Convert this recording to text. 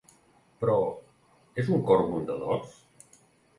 Però, és un cor bondadós?